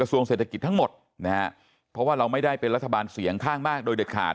ส่วนเศรษฐกิจทั้งหมดนะฮะเพราะว่าเราไม่ได้เป็นรัฐบาลเสียงข้างมากโดยเด็ดขาด